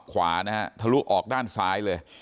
จากริมรั้วกระสุนเข้าขมับขวานะฮะทะลุออกด้านซ้ายเลย